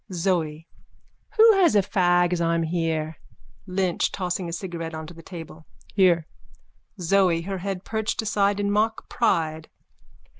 _ ZOE: Who has a fag as I'm here? LYNCH: (Tossing a cigarette on to the table.) Here. ZOE: _(Her head perched aside in mock pride.)